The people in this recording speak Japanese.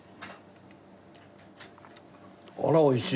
あらおいしい！